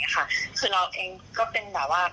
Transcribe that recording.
คือเราเองก็เป็นแบบว่า